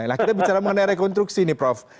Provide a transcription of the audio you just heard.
nah kita bicara mengenai rekonstruksi nih prof